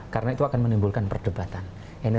karena itu akan menimbulkan perdebatan